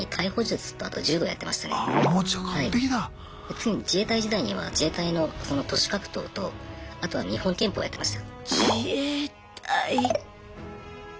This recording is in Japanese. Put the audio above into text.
次に自衛隊時代には自衛隊のその徒手格闘とあとは日本拳法やってました。